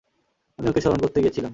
আমি ওকে স্মরণ করতে গিয়েছিলাম।